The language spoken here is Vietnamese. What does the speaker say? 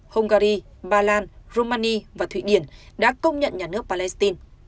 hungary bà lan romania và thụy điển đã công nhận nhà nước palestine